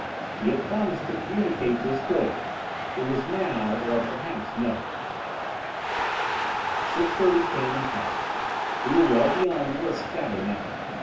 He had promised to communicate this voyage. It was now, or perhaps never. Six thirty came and passed. We were well beyond the earth's shadow now.